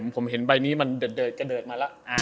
ผมเห็นใบด์นี้มันเดิดมาล่ะ